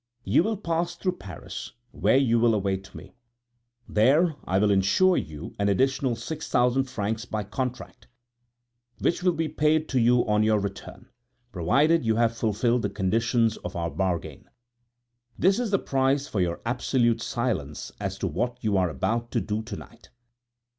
You will pass through Paris, where you will await me. There I will insure you an additional six thousand francs by contract, which will be paid to you on your return, provided you have fulfilled the conditions of our bargain. This is the price for your absolute silence as to what you are about to do to night.